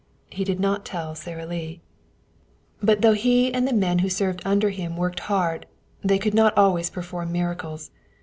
He did not tell Sara Lee. But though he and the men who served under him worked hard, they could not always perform miracles.